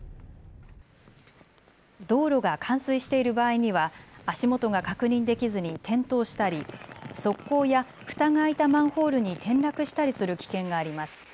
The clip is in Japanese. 道路が冠水している場合には足元が確認できずに転倒したり側溝やふたが開いたマンホールに転落したりする危険があります。